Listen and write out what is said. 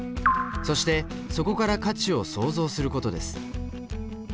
そしてそこから価値を創造することです。